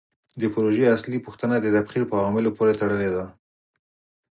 د پروژې اصلي پوښتنه د تبخیر په عواملو پورې تړلې ده.